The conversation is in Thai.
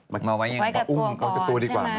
มาไว้กับตัวก่อนใช่ไหม